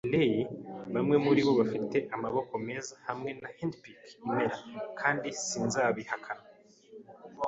lay lay. Bamwe muribo bafite amaboko meza hamwe na handpike-impera. Kandi sinzabihakana